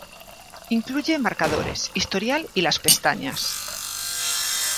Incluye marcadores, historial y las pestañas.